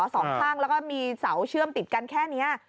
สองข้างแล้วก็มีเสาเชื่อมติดกันแค่นี้